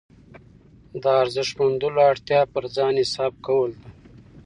د ارزښت موندلو اړتیا پر ځان حساب کول ده.